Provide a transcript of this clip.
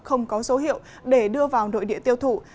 không có dấu hiệu để đưa vào nội địa tiêu thụ